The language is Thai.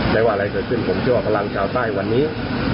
ว่าอะไรเกิดขึ้นผมเชื่อว่าพลังชาวใต้วันนี้